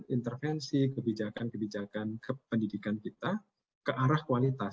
intervensi kebijakan kebijakan pendidikan kita ke arah kualitas